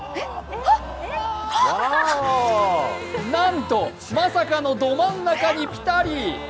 なんとまさかのど真ん中にピタリ。